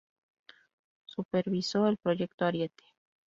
Supervisó el proyecto Ariete.